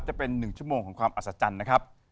จะเป็น๑ชั่วโมงของความอัศจรรย์นะครับ